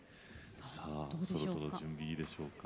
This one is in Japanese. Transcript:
さあそろそろ準備いいでしょうか？